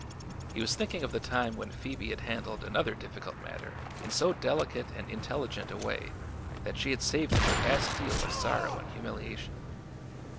He was thinking of the time when Phoebe had handled another difficult matter in so delicate and intelligent a way that she had saved him a vast deal of sorrow and humiliation.